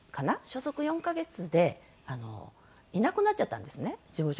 所属４カ月でいなくなっちゃったんですね事務所が。